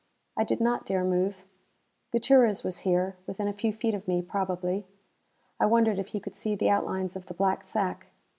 I did not dare move. Gutierrez was here, within a few feet of me, probably. I wondered if he could see the outlines of the black sack.